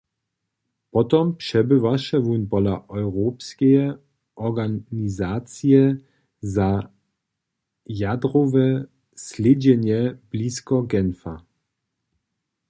Potom přebywaše wón pola Europskeje organizacije za jadrowe slědźenje blisko Genfa.